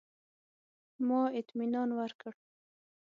ما اطمنان ورکړ.